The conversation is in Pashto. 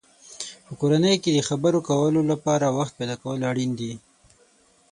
په کورنۍ کې د خبرو کولو لپاره وخت پیدا کول اړین دی.